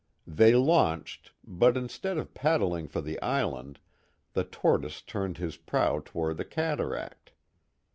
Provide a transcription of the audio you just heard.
They launched, but instead of paddling for the island, the Tortoise liirned his ]>row toward the calaract.